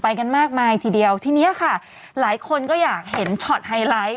กันมากมายทีเดียวทีเนี้ยค่ะหลายคนก็อยากเห็นช็อตไฮไลท์